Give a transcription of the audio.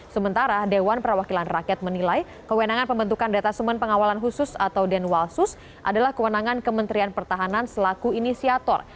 sementara dewan perwakilan rakyat menilai kewenangan pembentukan data semen pengawalan khusus atau denwalsus adalah kewenangan kementerian pertahanan selaku inisiator